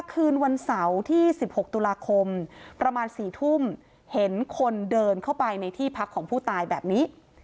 คืนวันเสาร์ที่๑๖ตุลาคมประมาณ๔ทุ่มเห็นคนเดินเข้าไปในที่พักของผู้ตายแบบนี้